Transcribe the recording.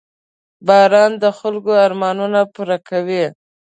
• باران د خلکو ارمانونه پوره کوي.